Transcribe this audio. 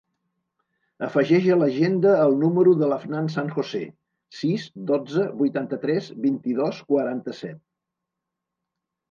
Afegeix a l'agenda el número de l'Afnan San Jose: sis, dotze, vuitanta-tres, vint-i-dos, quaranta-set.